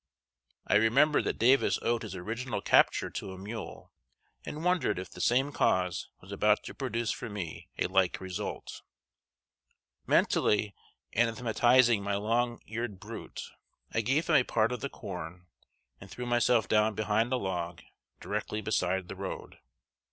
I remembered that Davis owed his original capture to a mule, and wondered if the same cause was about to produce for me a like result. Mentally anathematizing my long eared brute, I gave him a part of the corn, and threw myself down behind a log, directly beside the road.